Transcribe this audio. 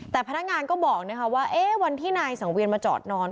แต่พนักงานก็บอกว่าวันที่นายสังเวียนมาจอดนอน